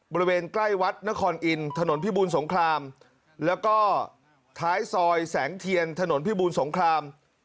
บริเวณใกล้วัดนครอินถนนพิบูลสงครามแล้วก็ท้ายซอยแสงเทียนถนนพิบูรสงคราม